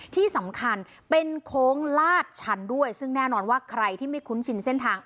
ที่สำคัญเป็นโค้งลาดชันด้วยซึ่งแน่นอนว่าใครที่ไม่คุ้นชินเส้นทาง